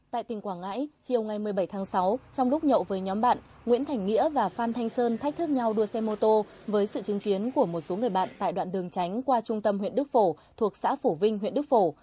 tại tỉnh quảng ngãi chiều ngày một mươi bảy tháng sáu trong lúc nhậu với nhóm bạn nguyễn thành nghĩa và phan thanh sơn thách thức nhau đua xe mô tô với sự chứng kiến của một số người bạn tại đoạn đường tránh qua trung tâm huyện đức phổ thuộc xã phổ vinh huyện đức phổ